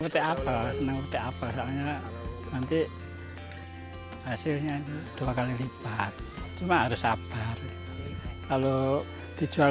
berapa nengoknya apa soalnya nanti hasilnya dua kali lipat cuma harus sabar kalau dijual